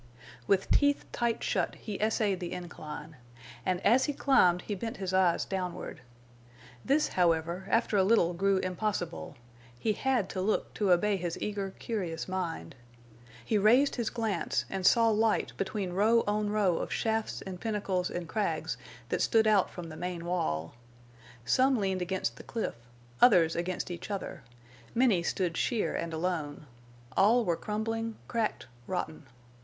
With teeth tight shut he essayed the incline. And as he climbed he bent his eyes downward. This, however, after a little grew impossible; he had to look to obey his eager, curious mind. He raised his glance and saw light between row on row of shafts and pinnacles and crags that stood out from the main wall. Some leaned against the cliff, others against each other; many stood sheer and alone; all were crumbling, cracked, rotten.